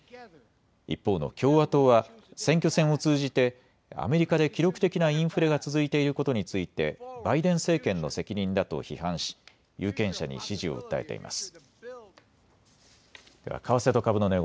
一方の共和党は選挙戦を通じてアメリカで記録的なインフレが続いていることについてバイデン政権の責任だと批判し有権者に支持を訴えています。